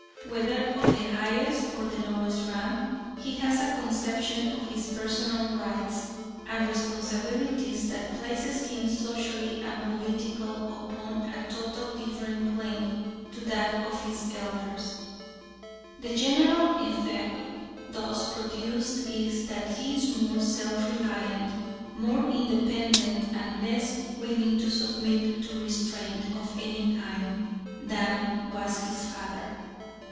Whether of the highest or of the lowest rank, he has a conception of his personal rights and responsibilities that places him socially and politically upon a totally different plane to that of his elders. The general effect thus produced is that he is more self reliant, more independent, and less willing to submit to restraint of any kind than was his father.